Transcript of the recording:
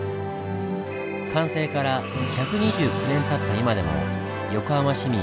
完成から１２９年たった今でも横浜市民